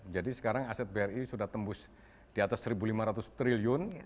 jadi sekarang aset bri sudah tembus di atas rp satu lima ratus triliun